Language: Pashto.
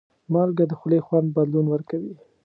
مالګه د خولې خوند بدلون ورکوي.